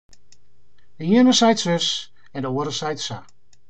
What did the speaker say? De iene seit sus en de oare seit sa.